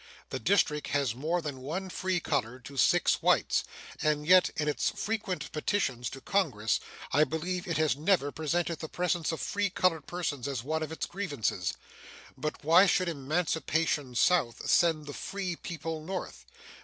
The District has more than one free colored to six whites, and yet in its frequent petitions to Congress I believe it has never presented the presence of free colored persons as one of its grievances. But why should emancipation South send the free people North?